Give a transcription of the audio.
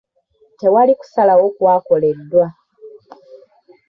Tewali kusalawo kwakoleddwa.